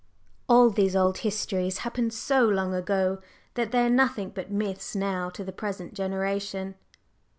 "All these old histories happened so long ago that they are nothing but myths now to the present generation."